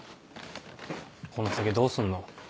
この先どうすんの？